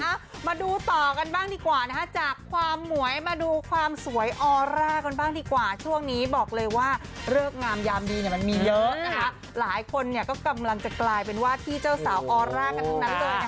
มาดูต่อกันบ้างดีกว่านะคะจากความหมวยมาดูความสวยออร่ากันบ้างดีกว่าช่วงนี้บอกเลยว่าเลิกงามยามดีเนี่ยมันมีเยอะนะคะหลายคนเนี่ยก็กำลังจะกลายเป็นวาดที่เจ้าสาวออร่ากันทั้งนั้นเลยนะคะ